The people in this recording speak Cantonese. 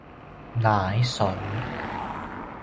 奶水